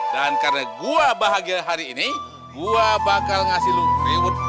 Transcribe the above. dan karena gua bahagia hari ini gua bakal ngasih lu reward gratis